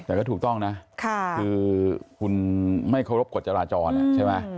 แต่ก็ถูกต้องนะคือคุณไม่เคารพกฎจราจรใช่ไหม